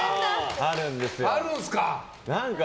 あるんですか。